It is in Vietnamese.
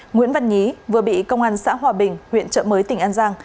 nguyễn văn nhí vừa bị công an xã hòa bình huyện trợ mới tỉnh an giang